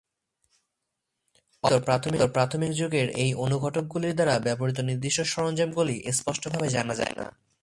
অপেক্ষাকৃত প্রাথমিক যুগের এই অনুঘটকগুলির দ্বারা ব্যবহৃত নির্দিষ্ট সরঞ্জামগুলি স্পষ্টভাবে জানা যায় না।